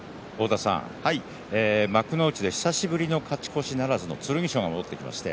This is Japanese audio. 幕内で久しぶりの勝ち越しならずの剣翔が戻ってきました。